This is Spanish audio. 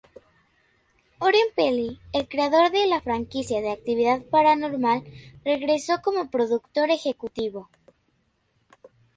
Oren Peli, el creador de la franquicia de Actividad Paranormal, regresó como productor ejecutivo.